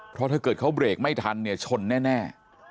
เพราะถ้าเกิดเขาเบรกไม่ทันเนี่ยชนแน่